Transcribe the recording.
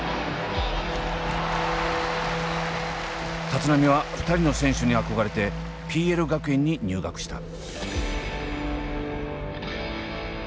立浪は２人の選手に憧れてＰＬ学園に入学した。